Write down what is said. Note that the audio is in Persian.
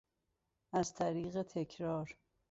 از طریق تکرار